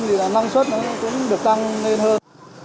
thì là năng suất nó cũng được tăng lên hơn